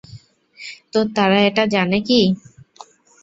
তো তারা এটা জানে কি?